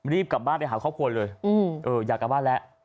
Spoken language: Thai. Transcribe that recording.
รีบกลับบ้านไปหาครอบครัวเลยอยากกลับบ้านแล้ว